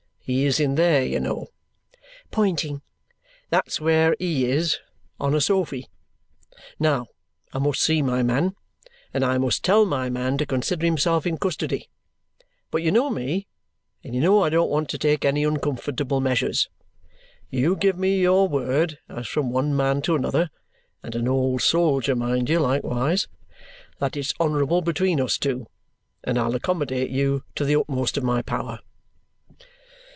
He is in there, you know," pointing; "that's where HE is on a sofy. Now I must see my man, and I must tell my man to consider himself in custody; but you know me, and you know I don't want to take any uncomfortable measures. You give me your word, as from one man to another (and an old soldier, mind you, likewise), that it's honourable between us two, and I'll accommodate you to the utmost of my power."